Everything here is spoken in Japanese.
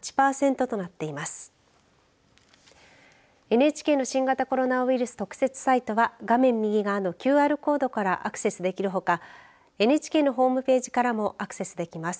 ＮＨＫの新型コロナウイルス特設サイトは画面右側のＱＲコードからアクセスできるほかＮＨＫのホームページからもアクセスできます。